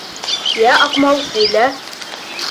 Йә, Аҡмал, һөйлә.